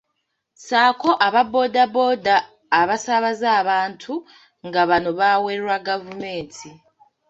Sako aba boda boda abasaabaza abantu nga bano bawerwa gavumenti.